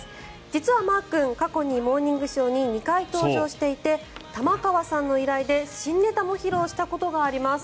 実はまー君過去に「モーニングショー」に２回登場していて玉川さんの依頼で新ネタも披露したことがあります。